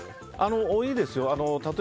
多いですよ。